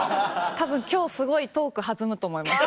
たぶん今日すごいトーク弾むと思います。